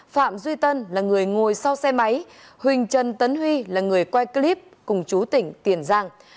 phạm duy tân là người ngồi sau xe máy huỳnh trần tấn huy là người quay clip cùng chú tỉnh tiền giang